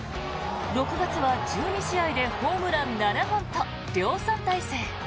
６月は１２試合でホームラン７本と量産体制。